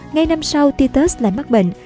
ngay năm sau titus lại mắc bệnh